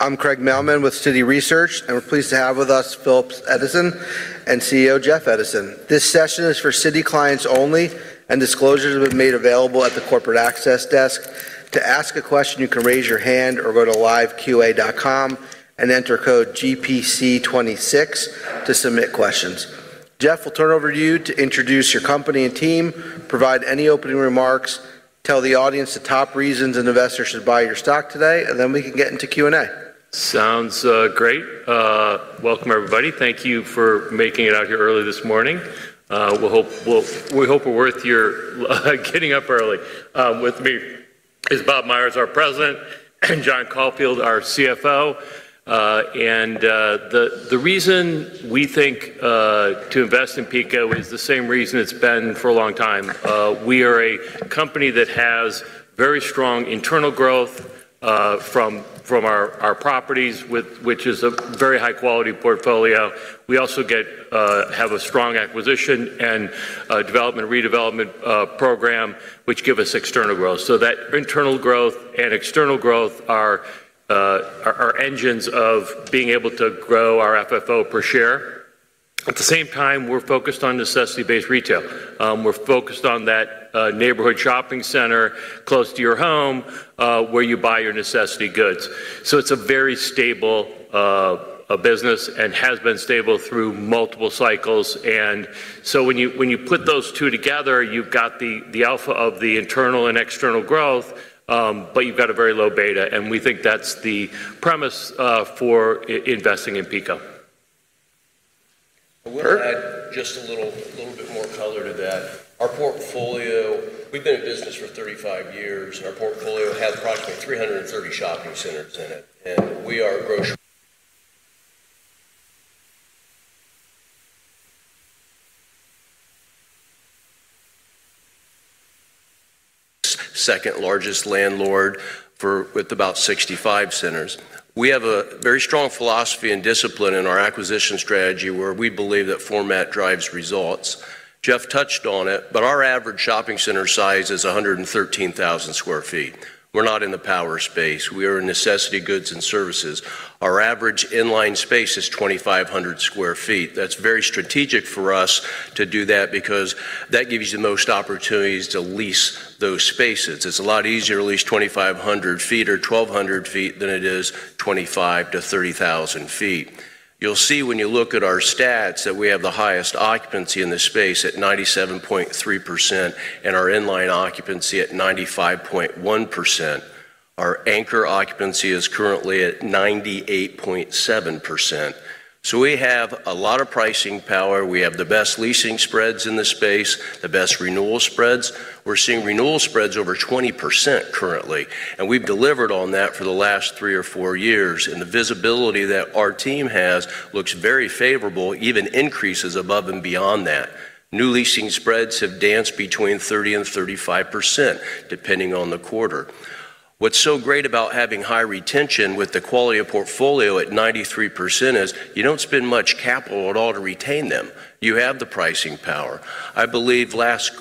I'm Craig Mailman with Citi Research, and we're pleased to have with us Phillips Edison and CEO Jeff Edison. This session is for Citi clients only, and disclosures have been made available at the corporate access desk. To ask a question, you can raise your hand or go to liveqa.com and enter code GPC26 to submit questions. Jeff, we'll turn it over to you to introduce your company and team, provide any opening remarks, tell the audience the top reasons an investor should buy your stock today, and then we can get into Q&A. Sounds great. Welcome everybody. Thank Thank you for making it out here early this morning. We hope we're worth your getting up early. With me is Bob Myers, our President, and John Caulfield, our CFO. The reason we think to invest in PECO is the same reason it's been for a long time. We are a company that has very strong internal growth from our properties, which is a very high-quality portfolio. We also have a strong acquisition and development, redevelopment program, which give us external growth. That internal growth and external growth are engines of being able to grow our FFO per share. At the same time, we're focused on necessity-based retail. We're focused on that neighborhood shopping center close to your home, where you buy your necessity goods. It's a very stable business and has been stable through multiple cycles. When you put those two together, you've got the alpha of the internal and external growth, but you've got a very low beta, and we think that's the premise for investing in PECO. Robert? I want to add just a little bit more color to that. We've been in business for 35 years, our portfolio has approximately 330 shopping centers in it, we are grocery second-largest landlord with about 65 centers. We have a very strong philosophy and discipline in our acquisition strategy, where we believe that format drives results. Jeff touched on it, our average shopping center size is 113,000 sq ft. We're not in the power space. We are in necessity goods and services. Our average inline space is 2,500 sq ft. That's very strategic for us to do that because that gives you the most opportunities to lease those spaces. It's a lot easier to lease 2,500 feet or 1,200 feet than it is 25,000-30,000 feet. You'll see when you look at our stats that we have the highest occupancy in the space at 97.3% and our inline occupancy at 95.1%. Our anchor occupancy is currently at 98.7%. We have a lot of pricing power. We have the best leasing spreads in the space, the best renewal spreads. We're seeing renewal spreads over 20% currently, and we've delivered on that for the last three or four years, and the visibility that our team has looks very favorable, even increases above and beyond that. New leasing spreads have danced between 30%-35%, depending on the quarter. What's so great about having high retention with the quality of portfolio at 93% is you don't spend much capital at all to retain them. You have the pricing power. I believe last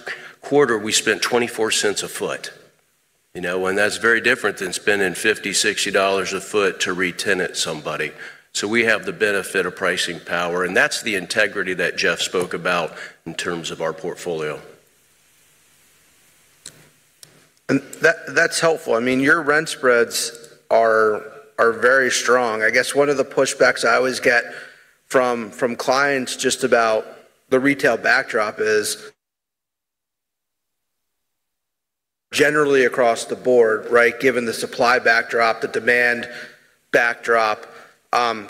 quarter, we spent $0.24 a foot, you know, That's very different than spending $50, $60 a foot to retenant somebody. We have the benefit of pricing power, and that's the integrity that Jeff spoke about in terms of our portfolio. That's helpful. I mean, your rent spreads are very strong. I guess one of the pushbacks I always get from clients just about the retail backdrop is generally across the board, right? Given the supply backdrop, the demand backdrop,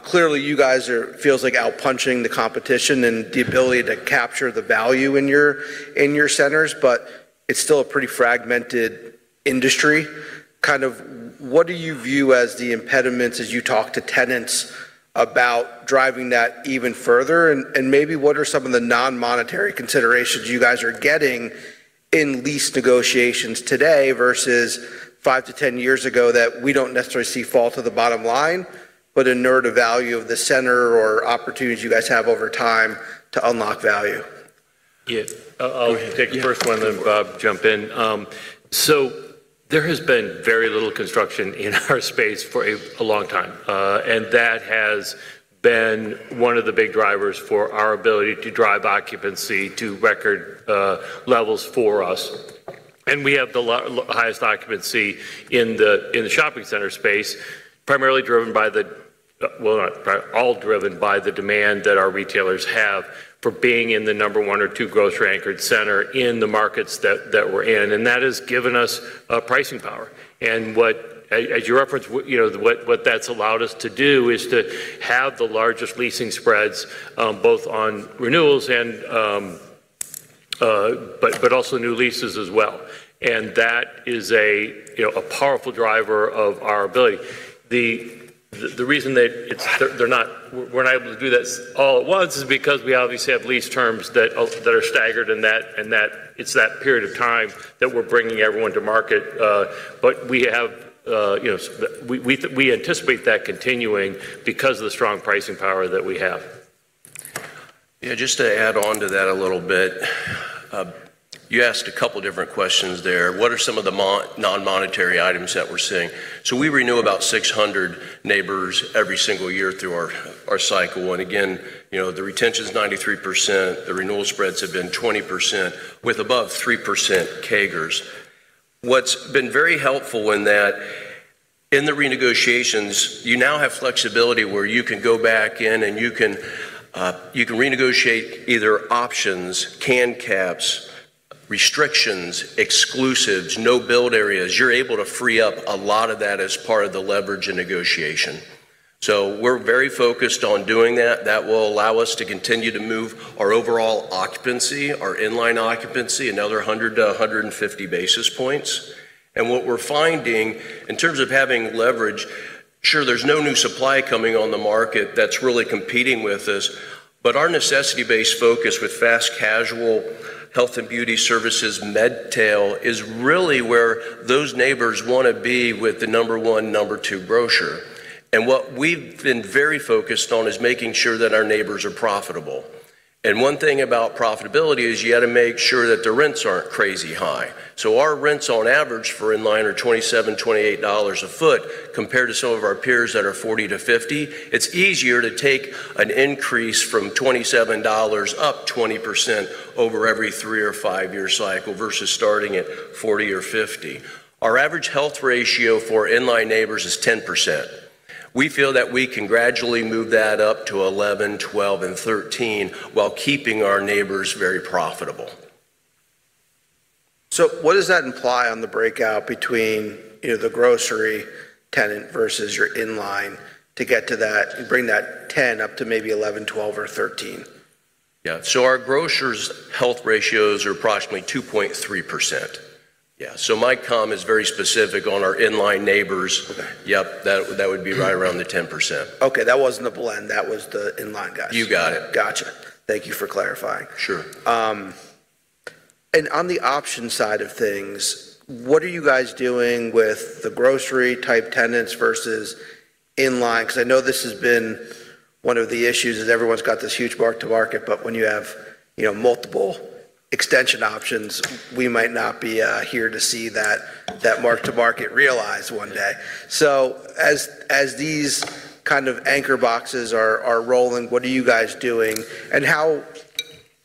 clearly you guys feels like outpunching the competition and the ability to capture the value in your centers, but it's still a pretty fragmented industry. Kind of what do you view as the impediments as you talk to tenants about driving that even further? Maybe what are some of the non-monetary considerations you guys are getting in lease negotiations today versus five to 10 years ago that we don't necessarily see fall to the bottom line but inheres a value of the center or opportunities you guys have over time to unlock value? Yeah. I'll take the first one, then Bob jump in. There has been very little construction in our space for a long time, and that has been one of the big drivers for our ability to drive occupancy to record levels for us. We have the highest occupancy in the shopping center space, all driven by the demand that our retailers have for being in the number one or two grocery anchored center in the markets that we're in, and that has given us pricing power. What, as you referenced, you know, what that's allowed us to do is to have the largest leasing spreads, both on renewals and also new leases as well. That is a, you know, a powerful driver of our ability. The reason we're not able to do that all at once is because we obviously have lease terms that are staggered and that it's that period of time that we're bringing everyone to market. We have, you know, we anticipate that continuing because of the strong pricing power that we have. Yeah, just to add on to that a little bit. You asked a couple different questions there. What are some of the non-monetary items that we're seeing? We renew about 600 neighbors every single year through our cycle. Again, you know, the retention's 93%, the renewal spreads have been 20% with above 3% CAGRs. What's been very helpful in that, in the renegotiations, you now have flexibility where you can go back in, and you can renegotiate either options, can caps, restrictions, exclusives, no build areas. You're able to free up a lot of that as part of the leverage and negotiation. We're very focused on doing that. That will allow us to continue to move our overall occupancy, our inline occupancy, another 100-150 basis points. What we're finding in terms of having leverage, sure, there's no new supply coming on the market that's really competing with us, but our necessity-based focus with fast casual health and beauty services medtail is really where those neighbors wanna be with the number one, number two grocer. What we've been very focused on is making sure that our neighbors are profitable. One thing about profitability is you gotta make sure that the rents aren't crazy high. Our rents on average for inline are $27-$28 a foot compared to some of our peers that are $40-$50. It's easier to take an increase from $27 up 20% over every three or five-year cycle versus starting at $40 or $50. Our average health ratio for inline neighbors is 10%. We feel that we can gradually move that up to eleven, twelve, and thirteen while keeping our neighbors very profitable. What does that imply on the breakout between, you know, the grocery tenant versus your inline to get to that and bring that 10 up to maybe 11, 12, or 13? Yeah. Our grocer's health ratios are approximately 2.3%. Yeah. My comm is very specific on our inline neighbors. Okay. Yep. That would be right around the 10%. Okay. That wasn't the blend. That was the inline guys. You got it. Gotcha. Thank you for clarifying. Sure. On the option side of things, what are you guys doing with the grocery-type tenants versus inline? 'Cause I know this has been one of the issues is everyone's got this huge mark-to-market, but when you have, you know, multiple extension options, we might not be here to see that mark-to-market realized one day. As these kind of anchor boxes are rolling, what are you guys doing, and how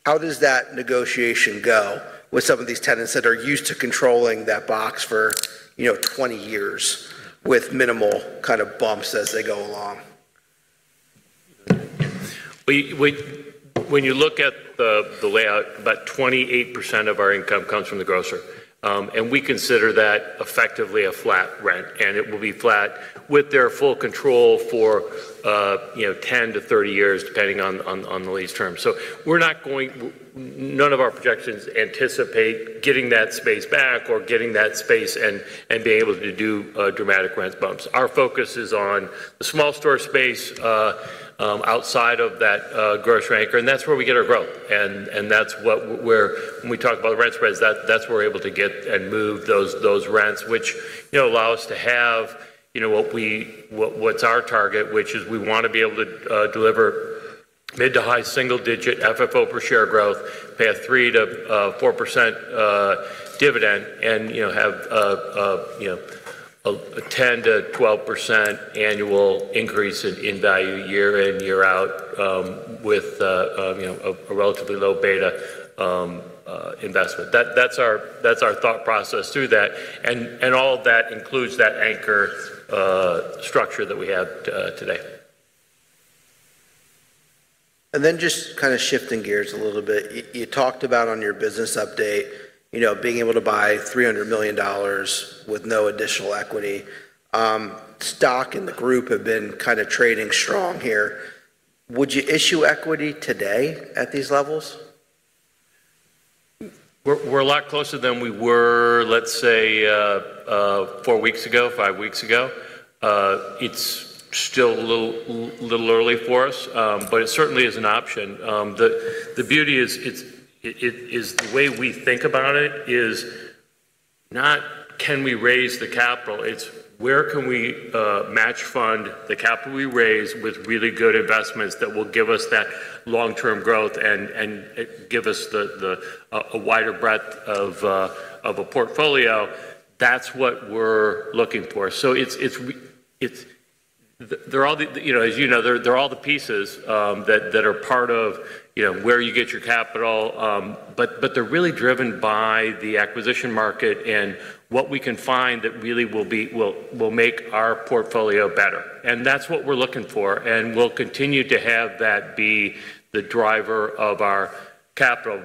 does that negotiation go with some of these tenants that are used to controlling that box for, you know, 20 years with minimal kind of bumps as they go along? When you look at the layout, about 28% of our income comes from the grocer. We consider that effectively a flat rent, and it will be flat with their full control for, you know, 10-30 years, depending on the lease terms. None of our projections anticipate getting that space back or getting that space and being able to do dramatic rent bumps. Our focus is on the small store space outside of that grocery anchor. That's where we get our growth. That's what when we talk about rent spreads, that's where we're able to get and move those rents, which, you know, allow us to have, you know, what's our target, which is we wanna be able to deliver mid to high single-digit FFO per share growth, pay a 3% - 4% dividend and, you know, have, you know, a 10% - 12% annual increase in value year in, year out, with, you know, a relatively low beta investment. That's our, that's our thought process through that. All of that includes that anchor structure that we have today. Just kind of shifting gears a little bit, you talked about on your business update, you know, being able to buy $300 million with no additional equity. Stock and the group have been kind of trading strong here. Would you issue equity today at these levels? We're a lot closer than we were, let's say, four weeks ago, five weeks ago. It's still a little early for us, but it certainly is an option. The beauty is the way we think about it is not can we raise the capital? It's where can we match fund the capital we raise with really good investments that will give us that long-term growth and give us the a wider breadth of a portfolio. That's what we're looking for. They're all the... You know, as you know, they're all the pieces that are part of, you know, where you get your capital. They're really driven by the acquisition market and what we can find that really will make our portfolio better. That's what we're looking for, and we'll continue to have that be the driver of our capital.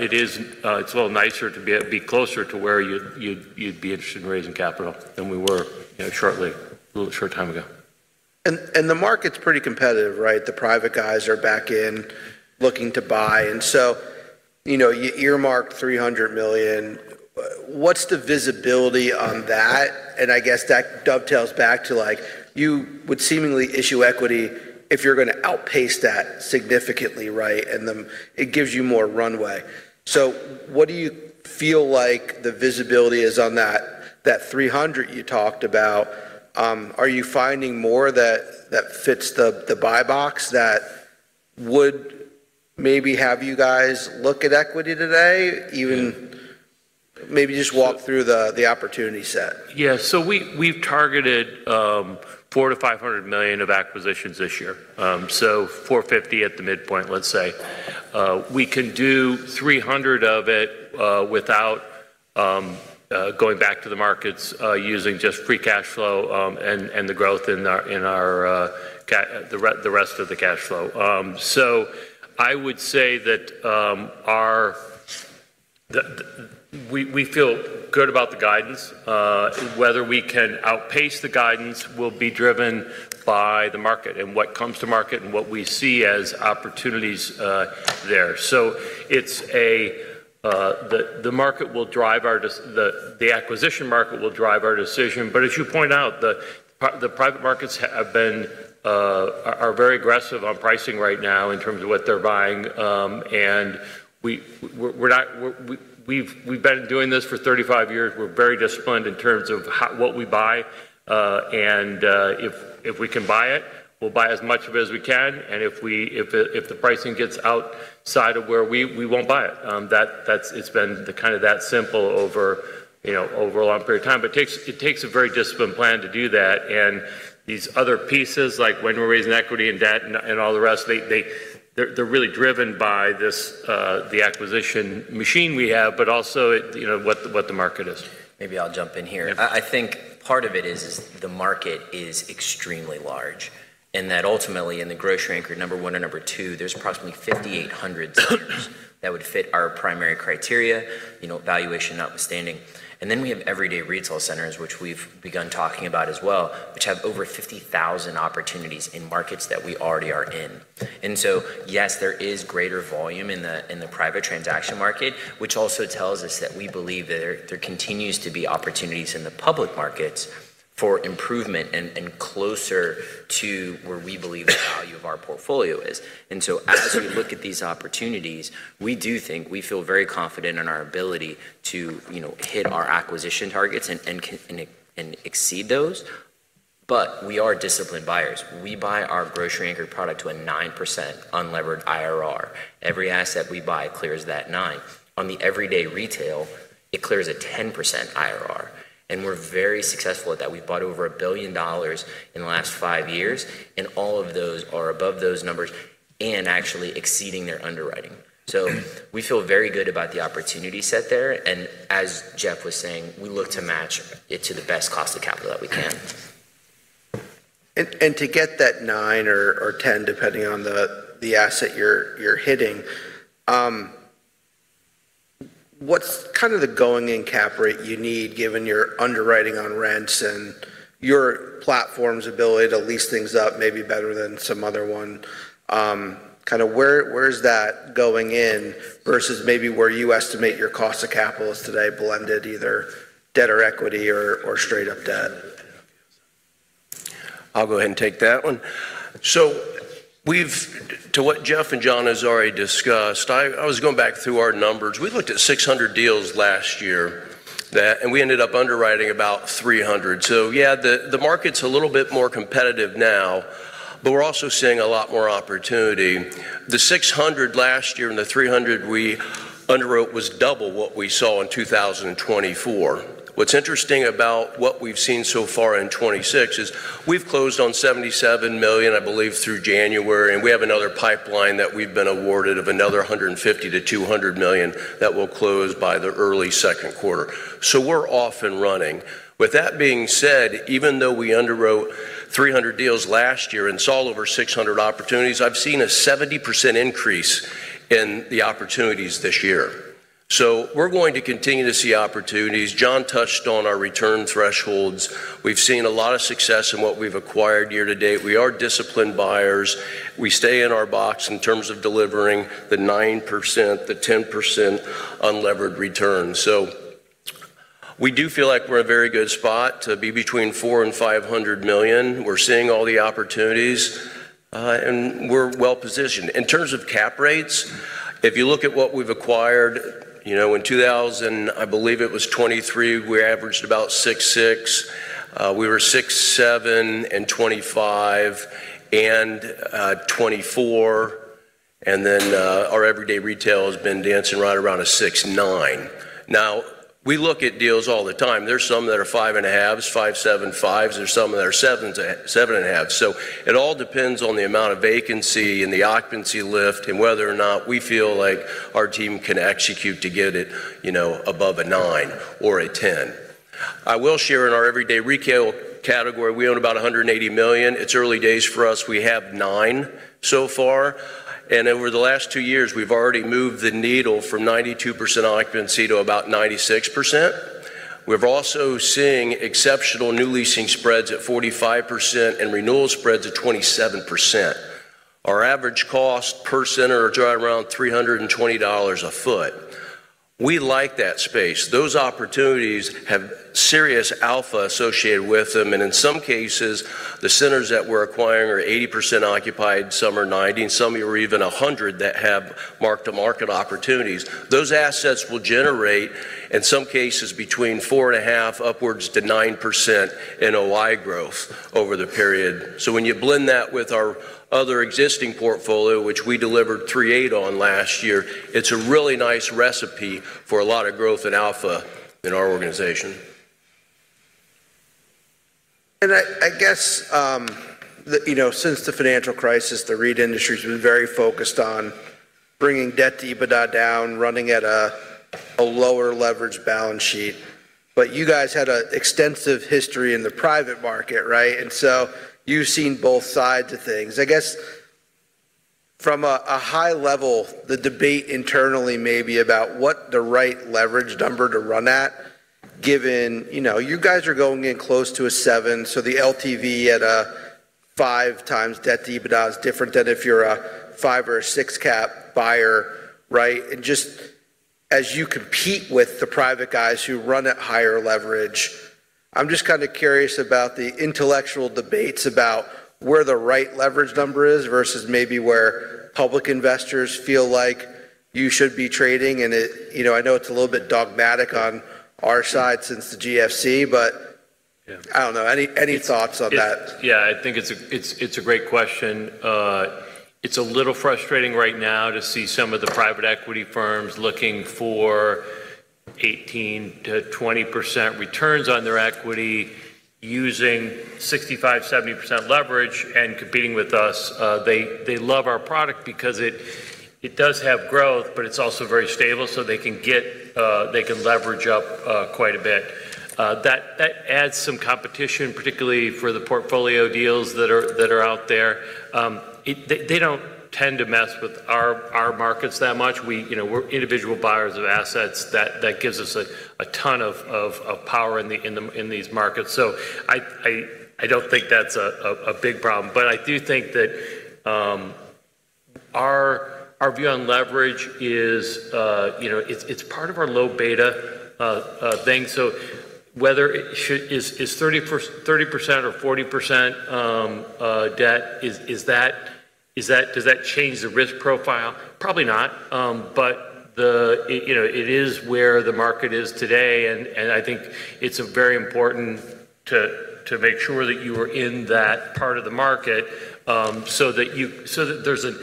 It is, it's a little nicer to be closer to where you'd be interested in raising capital than we were, you know, a little short time ago. The market's pretty competitive, right? The private guys are back in looking to buy. You know, you earmarked $300 million. What's the visibility on that? I guess that dovetails back to, like, you would seemingly issue equity if you're gonna outpace that significantly, right? Then it gives you more runway. What do you feel like the visibility is on that? That $300 you talked about, are you finding more that fits the buy box that would maybe have you guys look at equity today? Even maybe just walk through the opportunity set. We've targeted $400 million-$500 million of acquisitions this year. $450 at the midpoint, let's say. We can do $300 of it without going back to the markets, using just free cash flow and the growth in our the rest of the cash flow. I would say that We feel good about the guidance. Whether we can outpace the guidance will be driven by the market and what comes to market and what we see as opportunities there. It's the acquisition market will drive our decision. As you point out, the private markets have been. Are very aggressive on pricing right now in terms of what they're buying, and we're not. We've been doing this for 35 years. We're very disciplined in terms of what we buy, and if we can buy it, we'll buy as much of it as we can, and if the pricing gets outside of where we won't buy it. That's. It's been the kind of that simple over, you know, over a long period of time. It takes a very disciplined plan to do that, and these other pieces, like when we're raising equity and debt and all the rest, they're really driven by this, the acquisition machine we have, but also, you know, what the market is. Maybe I'll jump in here. Yeah. I think part of it is the market is extremely large. That ultimately in the grocery anchor number one and number two, there's approximately 5,800 centers that would fit our primary criteria, you know, valuation notwithstanding. Then we have Everyday Retail centers, which we've begun talking about as well, which have over 50,000 opportunities in markets that we already are in. Yes, there is greater volume in the, in the private transaction market, which also tells us that we believe there continues to be opportunities in the public markets for improvement and closer to where we believe the value of our portfolio is. As we look at these opportunities, we do think we feel very confident in our ability to, you know, hit our acquisition targets and exceed those. We are disciplined buyers. We buy our grocery anchored product to a 9% unlevered IRR. Every asset we buy clears that 9%. On the Everyday Retail, it clears a 10% IRR, and we're very successful at that. We've bought over $1 billion in the last fiive years, and all of those are above those numbers and actually exceeding their underwriting. We feel very good about the opportunity set there, and as Jeff was saying, we look to match it to the best cost of capital that we can. To get that nine or 10, depending on the asset you're hitting, what's kind of the going-in cap rate you need given your underwriting on rents and your platform's ability to lease things up maybe better than some other one? Kind of where is that going in versus maybe where you estimate your cost of capital is today blended either debt or equity or straight up debt? I'll go ahead and take that one. To what Jeff and John has already discussed, I was going back through our numbers. We looked at 600 deals last year. We ended up underwriting about 300. Yeah, the market's a little bit more competitive now, but we're also seeing a lot more opportunity. The 600 last year and the 300 we underwrote was double what we saw in 2024. What's interesting about what we've seen so far in 2026 is we've closed on $77 million, I believe, through January, and we have another pipeline that we've been awarded of another $150 million-$200 million that will close by the early second quarter. We're off and running. With that being said, even though we underwrote 300 deals last year and saw over 600 opportunities, I've seen a 70% increase in the opportunities this year. We're going to continue to see opportunities. John touched on our return thresholds. We've seen a lot of success in what we've acquired year to date. We are disciplined buyers. We stay in our box in terms of delivering the 9%, the 10% unlevered return. We do feel like we're in a very good spot to be between $400 million and $500 million. We're seeing all the opportunities, and we're well-positioned. In terms of cap rates, if you look at what we've acquired, you know, in 2023, we averaged about 6.6%. We were 6-7 in 2025 and 2024, and then our Everyday Retail has been dancing right around a 6-9. We look at deals all the time. There's some that are 5.5, 5.75s. There's some that are 7s and 7.5. It all depends on the amount of vacancy and the occupancy lift and whether or not we feel like our team can execute to get it, you know, above a nine or a 10. I will share in our Everyday Retail category, we own about $180 million. It's early days for us. We have nine so far. Over the last 2 years, we've already moved the needle from 92% occupancy to about 96%. We're also seeing exceptional new leasing spreads at 45% and renewal spreads at 27%. Our average cost per center are right around $320 a foot. We like that space. Those opportunities have serious alpha associated with them, and in some cases, the centers that we're acquiring are 80% occupied, some are 90, and some are even 100 that have mark-to-market opportunities. Those assets will generate, in some cases, between 4.5 upwards to 9% NOI growth over the period. When you blend that with our other existing portfolio, which we delivered 3.8% on last year, it's a really nice recipe for a lot of growth in alpha in our organization. I guess, you know, since the financial crisis, the REIT industry's been very focused on bringing debt-to-EBITDA down, running at a lower leverage balance sheet. You guys had an extensive history in the private market, right? You've seen both sides of things. I guess from a high level, the debate internally may be about what the right leverage number to run at, given, you know, you guys are going in close to a seven, so the LTV at a five times debt-to-EBITDA is different than if you're a five or a six cap buyer, right? Just as you compete with the private guys who run at higher leverage, I'm just kinda curious about the intellectual debates about where the right leverage number is versus maybe where public investors feel like you should be trading and it... You know, I know it's a little bit dogmatic on our side since the GFC, but... Yeah. I don't know. Any thoughts on that? Yeah, I think it's a great question. It's a little frustrating right now to see some of the private equity firms looking for 18%-20% returns on their equity using 65%-70% leverage and competing with us. They love our product because it does have growth, but it's also very stable, so they can leverage up quite a bit. That adds some competition, particularly for the portfolio deals that are out there. They don't tend to mess with our markets that much. We, you know, we're individual buyers of assets that gives us a ton of power in these markets. I don't think that's a big problem. I do think that, our view on leverage is, you know, it's part of our low beta, thing. Is 30% or 40% debt, does that change the risk profile? Probably not. It, you know, it is where the market is today, and I think it's, very important to make sure that you are in that part of the market, so that there's a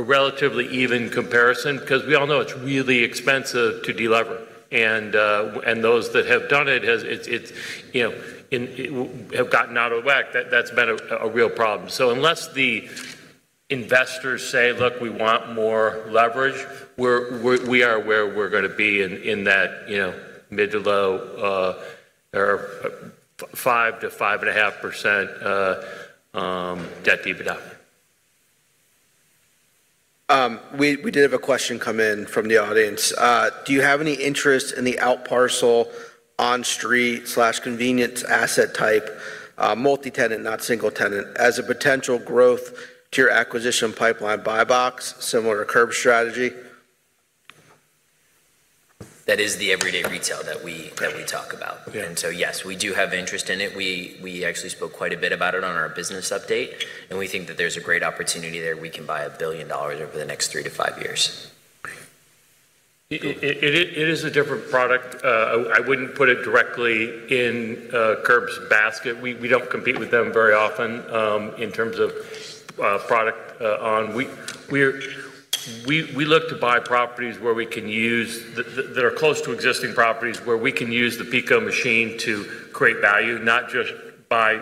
relatively even comparison. 'Cause we all know it's really expensive to delever. Those that have done it's, you know, have gotten out of whack. That's been a real problem. Unless the investors say, "Look, we want more leverage," we are where we're gonna be in that, you know, mid to low, or 5% - 5.5% debt-to-EBITDA. We did have a question come in from the audience. Do you have any interest in the outparcel on street/convenience asset type, multi-tenant, not single-tenant, as a potential growth to your acquisition pipeline buy box similar to Curb's strategy? That is the Everyday Retail that. Right. That we talk about. Yeah. Yes, we do have interest in it. We actually spoke quite a bit about it on our business update, and we think that there's a great opportunity there. We can buy $1 billion over the next three to five years. It is a different product. I wouldn't put it directly in Curb's basket. We don't compete with them very often in terms of product on. We look to buy properties where we can use that are close to existing properties where we can use the PICO machine to create value, not just buy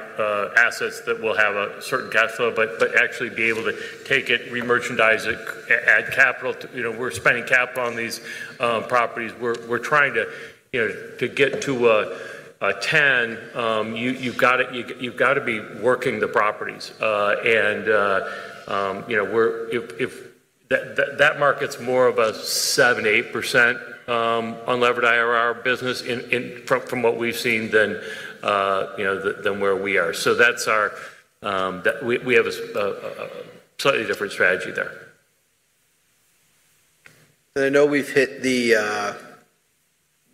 assets that will have a certain cash flow, but actually be able to take it, remerchandise it, add capital to. You know, we're spending capital on these properties. We're trying to, you know, to get to a 10. You've gotta, you've gotta be working the properties. You know, That market's more of a 7%, 8% unlevered IRR business from what we've seen than, you know, than where we are. That's our. We have a slightly different strategy there. I know we've hit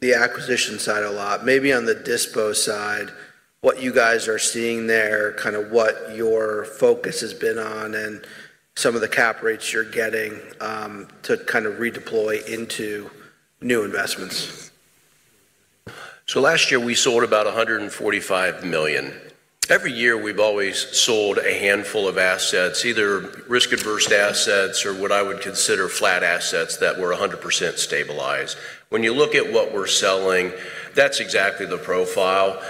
the acquisition side a lot. Maybe on the dispo side, what you guys are seeing there, kind of what your focus has been on and some of the cap rates you're getting to kind of redeploy into new investments. Last year, we sold about $145 million. Every year, we've always sold a handful of assets, either risk-averse assets or what I would consider flat assets that were 100% stabilized. When you look at what we're selling, that's exactly the profile.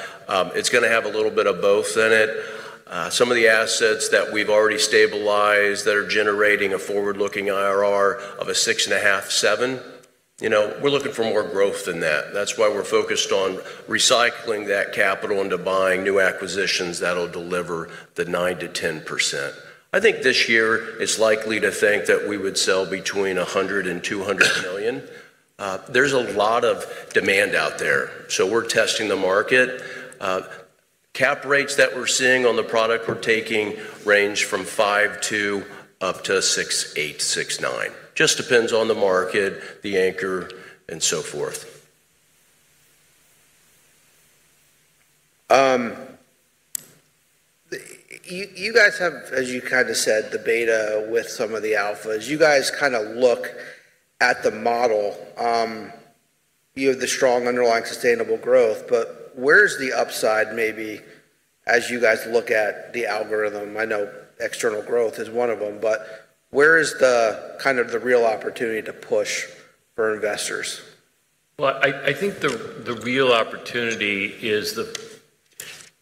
It's gonna have a little bit of both in it. Some of the assets that we've already stabilized that are generating a forward-looking IRR of a 6.5-7, you know, we're looking for more growth than that. That's why we're focused on recycling that capital into buying new acquisitions that'll deliver the 9%-10%. I think this year it's likely to think that we would sell between $100 million-$200 million. There's a lot of demand out there, so we're testing the market. Cap rates that we're seeing on the product we're taking range from 5.2% up to 6.8%, 6.9%. Just depends on the market, the anchor, and so forth. You guys have, as you kinda said, the beta with some of the alphas. You guys kinda look at the model. You have the strong underlying sustainable growth, but where's the upside maybe as you guys look at the algorithm? I know external growth is one of them, but where is the, kind of the real opportunity to push for investors? Well, I think the real opportunity is the,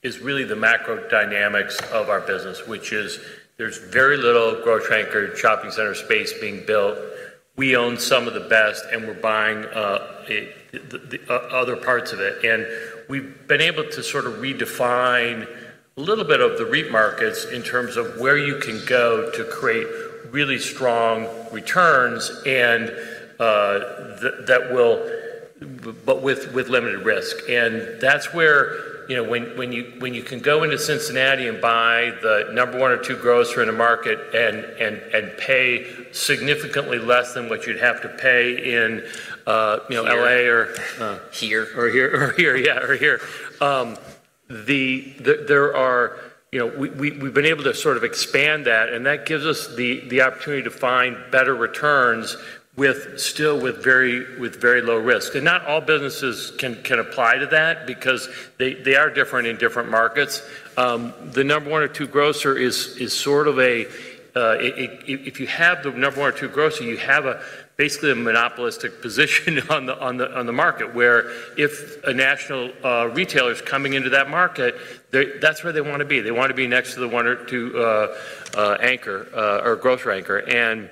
is really the macro dynamics of our business, which is there's very little grocery-anchored shopping center space being built. We own some of the best, and we're buying the other parts of it. We've been able to sort of redefine a little bit of the REIT markets in terms of where you can go to create really strong returns but with limited risk. That's where, you know, when you can go into Cincinnati and buy the number one or two grocer in a market and pay significantly less than what you'd have to pay in, you know. Here L.A. or. Here. Here. Here, yeah. Here. You know, we've been able to sort of expand that, and that gives us the opportunity to find better returns still with very low risk. Not all businesses can apply to that because they are different in different markets. The number one or two grocer is sort of a. If you have the number one or two grocer, you have a, basically a monopolistic position on the market, where if a national retailer's coming into that market, that's where they wanna be. They wanna be next to the one or two anchor or grocer anchor.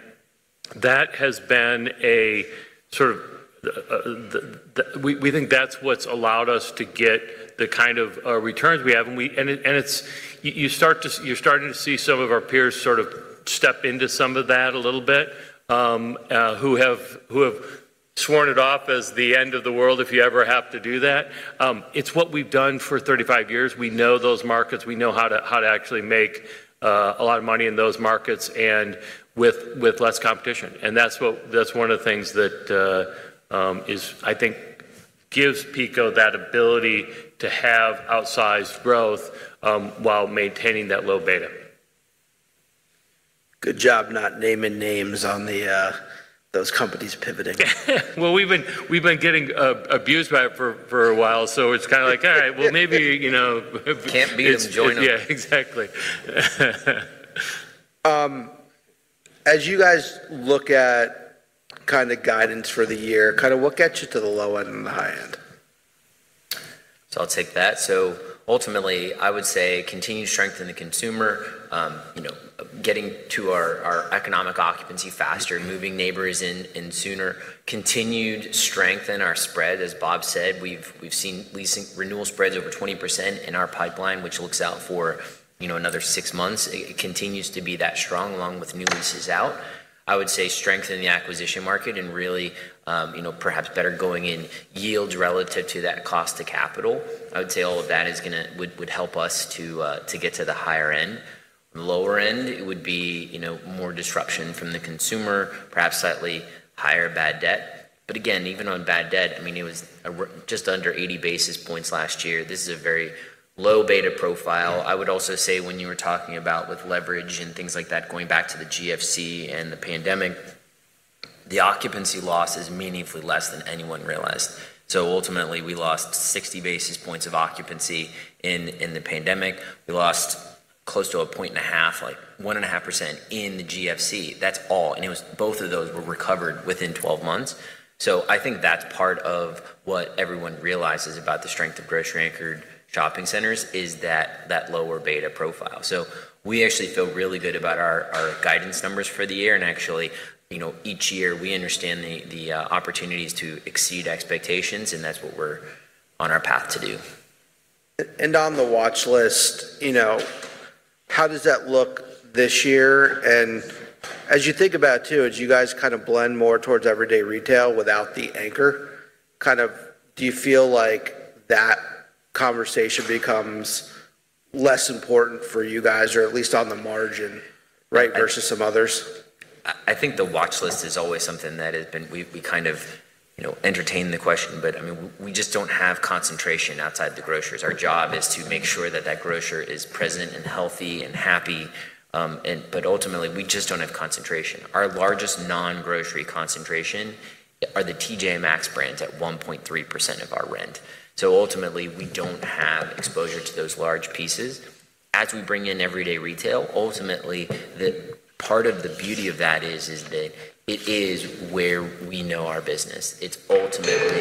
That has been a sort of. We think that's what's allowed us to get the kind of returns we have. You're starting to see some of our peers sort of step into some of that a little bit, who have sworn it off as the end of the world if you ever have to do that. It's what we've done for 35 years. We know those markets. We know how to actually make a lot of money in those markets and with less competition. That's one of the things that I think gives PECO that ability to have outsized growth while maintaining that low beta. Good job not naming names on the, those companies pivoting. We've been getting abused by it for a while, so it's kinda like, "All right. Well, maybe, you know... Can't beat them, join them. Yeah, exactly. As you guys look at guidance for the year, what gets you to the low end and the high end? I'll take that. Ultimately, I would say continued strength in the consumer, you know, getting to our economic occupancy faster, moving neighbors in sooner. Continued strength in our spread. As Bob said, we've seen leasing renewal spreads over 20% in our pipeline, which looks out for, you know, another six months. It continues to be that strong, along with new leases out. I would say strength in the acquisition market and really, you know, perhaps better going in yields relative to that cost to capital. I would say all of that would help us to get to the higher end. Lower end, it would be, you know, more disruption from the consumer, perhaps slightly higher bad debt. Again, even on bad debt, I mean, it was just under 80 basis points last year. This is a very low beta profile. I would also say when you were talking about with leverage and things like that, going back to the GFC and the pandemic, the occupancy loss is meaningfully less than anyone realized. Ultimately, we lost 60 basis points of occupancy in the pandemic. We lost close to 1.5% in the GFC. That's all. It was both of those were recovered within 12 months. I think that's part of what everyone realizes about the strength of grocery-anchored shopping centers is that lower beta profile. We actually feel really good about our guidance numbers for the year. Actually, you know, each year we understand the opportunities to exceed expectations, and that's what we're on our path to do. On the watch list, you know, how does that look this year? As you think about it too, as you guys kind of blend more towards Everyday Retail without the anchor, kind of do you feel like that conversation becomes less important for you guys, or at least on the margin, right, versus some others? I think the watch list is always something that has been. We kind of, you know, entertain the question, but I mean, we just don't have concentration outside the grocers. Our job is to make sure that grocer is present and healthy and happy. But ultimately, we just don't have concentration. Our largest non-grocery concentration are the T.J.Maxx brands at 1.3% of our rent. Ultimately, we don't have exposure to those large pieces. As we bring in Everyday Retail, ultimately, the part of the beauty of that is that it is where we know our business. It's ultimately.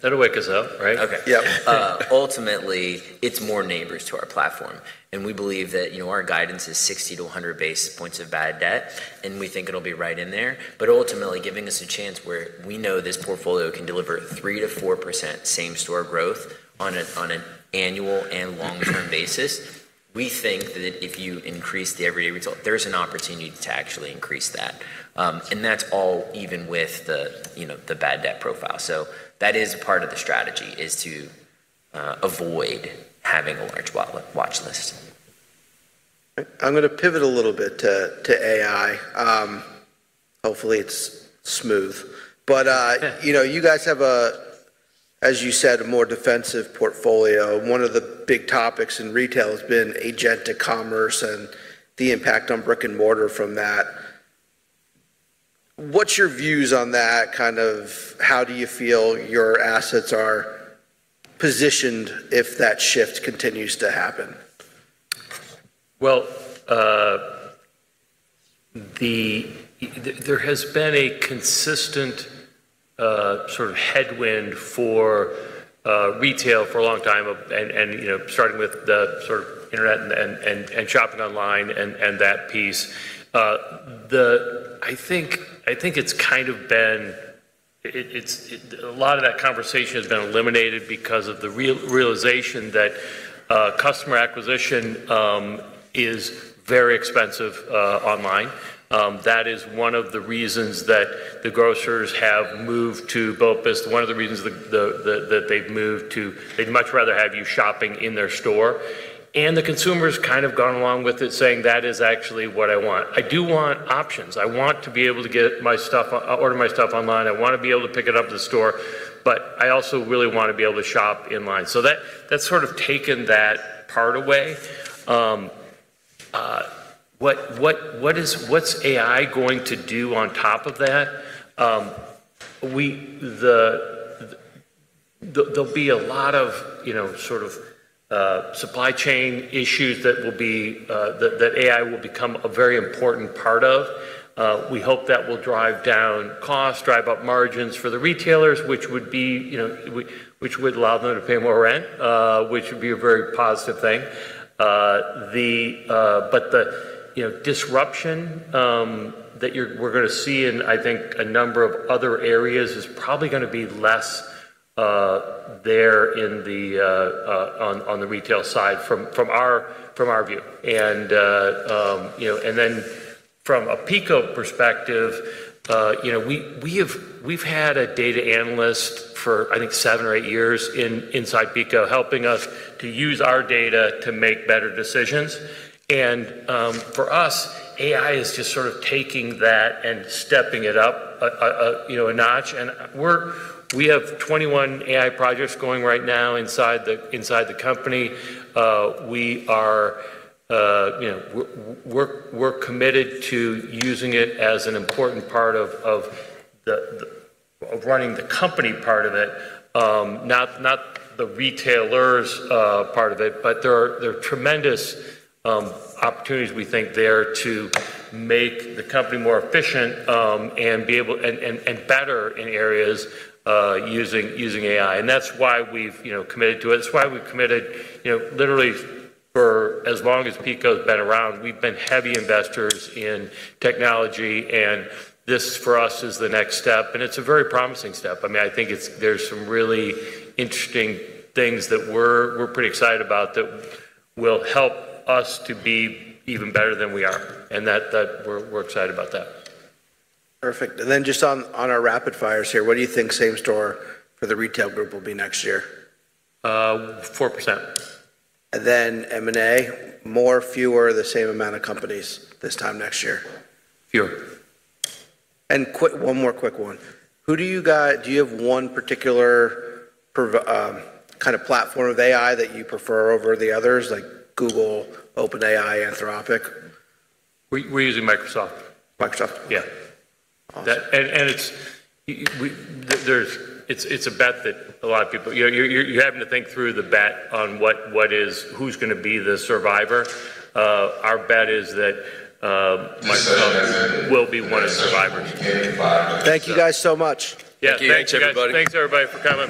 That'll wake us up, right? Okay. Yeah. Ultimately, it's more neighbors to our platform. We believe that, you know, our guidance is 60 to 100 basis points of bad debt, and we think it'll be right in there. Ultimately, giving us a chance where we know this portfolio can deliver 3% - 4% same-store growth on an annual and long-term basis. We think that if you increase the everyday result, there's an opportunity to actually increase that. That's all even with the, you know, the bad debt profile. That is a part of the strategy, is to avoid having a large watch list. I'm gonna pivot a little bit to AI. Hopefully it's smooth. Yeah you know, you guys have a, as you said, a more defensive portfolio. One of the big topics in retail has been agentic commerce and the impact on brick-and-mortar from that. What's your views on that? Kind of how do you feel your assets are positioned if that shift continues to happen? Well, there has been a consistent sort of headwind for retail for a long time of. You know, starting with the sort of internet and shopping online and that piece. I think it's kind of been. A lot of that conversation has been eliminated because of the realization that customer acquisition is very expensive online. That is one of the reasons that the grocers have moved to BOPIS. One of the reasons the that they've moved to they'd much rather have you shopping in their store. The consumer's kind of gone along with it saying, "That is actually what I want. I do want options. I want to be able to get my stuff, order my stuff online. I wanna be able to pick it up at the store, but I also really wanna be able to shop online. That's sort of taken that part away. What's AI going to do on top of that? There'll be a lot of, you know, supply chain issues that AI will become a very important part of. We hope that will drive down costs, drive up margins for the retailers, which would be, you know, which would allow them to pay more rent, which would be a very positive thing. The, you know, disruption that we're gonna see in, I think, a number of other areas is probably gonna be less there on the retail side from our view. You know, and then from a PECO perspective, you know, we've had a data analyst for, I think, seven or eight years inside PECO helping us to use our data to make better decisions. For us, AI is just sort of taking that and stepping it up a, you know, a notch. We have 21 AI projects going right now inside the company. We are, you know... We're committed to using it as an important part of the, of running the company part of it, not the retailers part of it. There are tremendous opportunities we think there to make the company more efficient and better in areas using AI. That's why we've, you know, committed to it. It's why we've committed, you know, literally for as long as PECO's been around, we've been heavy investors in technology, and this, for us, is the next step, and it's a very promising step. I mean, I think there's some really interesting things that we're pretty excited about that will help us to be even better than we are, and we're excited about that. Perfect. just on our rapid fires here, what do you think same store for the retail group will be next year? 4%. M&A, more, fewer, the same amount of companies this time next year? Fewer. Quick, one more quick one. Who do you have one particular kind of platform of AI that you prefer over the others like Google, OpenAI, Anthropic? We're using Microsoft. Microsoft? Yeah. Awesome. It's a bet that a lot of people. You know, you're having to think through the bet on what is who's gonna be the survivor. Our bet is that Microsoft will be one of the survivors. Thank you guys so much. Yeah. Thanks, everybody. Thanks, everybody, for coming.